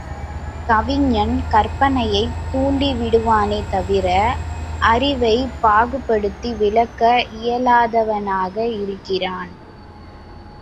கவிஞன் கற்பனையைத் தூண்டி விடுவானே தவிர, அறிவைப் பாகுபடுத்தி விளக்க இயலாதவனாக இருக்கிறான்.